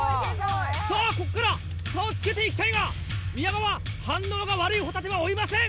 さぁここから差をつけていきたいが宮川反応が悪いホタテは追いません！